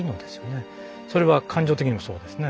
それは感情的にもそうですね。